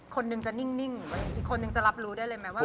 คนนึงจะนิ่งอีกคนนึงจะรับรู้ได้เลยไหมว่า